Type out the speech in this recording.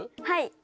はい。